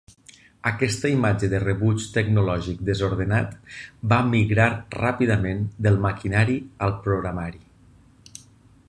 Aquesta imatge de "rebuig tecnològic desordenat" va migrar ràpidament del maquinari al programari.